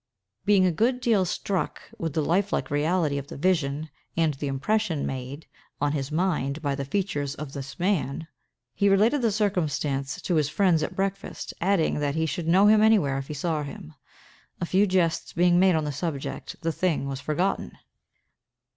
Being a good deal struck with the lifelike reality of the vision, and the impression made on his mind by the features of this man, he related the circumstance to his friends at breakfast, adding that he should know him anywhere, if he saw him. A few jests being made on the subject, the thing was forgotten.